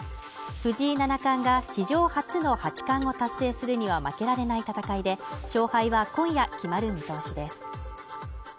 藤井七冠が史上初の八冠を達成するには負けられない戦いで勝敗は今夜決まる見通しです。